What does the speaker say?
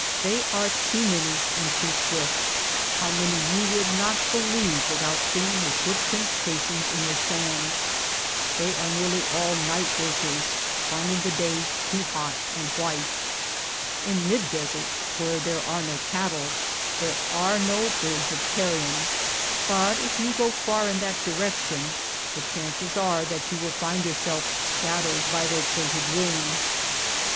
They are too many and too swift ; how many you would not believe without seeing the footprint tracings in the sand. They are nearly all night workers, finding the days too hot and white. In mid desert where there are no cattle, there are no birds of carrion, but if you go far in that direction the chances are that you will find yourself shadowed by their tilted wings.